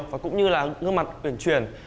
và cũng như là gương mặt quyển chuyển